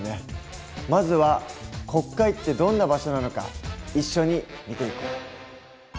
まずは国会ってどんな場所なのか一緒に見ていこう。